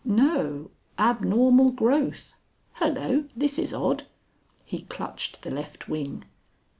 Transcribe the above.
"No! abnormal growth. Hullo! This is odd!" He clutched the left wing.